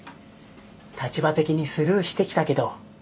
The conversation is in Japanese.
立場的にスルーしてきたけど分かるよ